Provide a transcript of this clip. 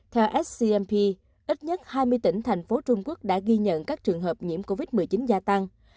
theo scmp ít nhất hai mươi tỉnh thành phố trung quốc đã ghi nhận các trường hợp nhiễm covid một mươi chín gia tăng